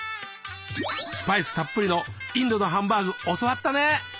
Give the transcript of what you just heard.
スパイスたっぷりのインドのハンバーグ教わったね。